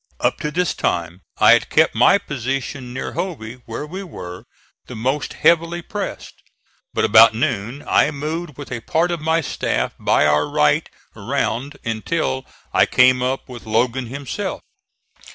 Up to this time I had kept my position near Hovey where we were the most heavily pressed; but about noon I moved with a part of my staff by our right around, until I came up with Logan himself.